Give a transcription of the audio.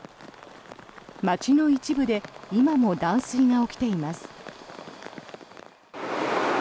町の一部で今も断水が起きています。